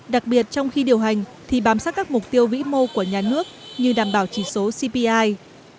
đặc biệt trong khi điều hành thì bám sát các mục tiêu vĩ mô của nhà nước như đảm bảo chỉ số cpi